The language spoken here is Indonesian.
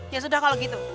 ya sudah kalau gitu